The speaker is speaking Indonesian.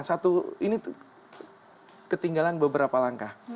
satu ini ketinggalan beberapa langkah